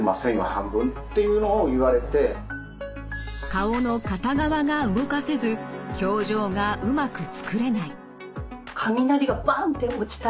顔の片側が動かせず表情がうまくつくれない。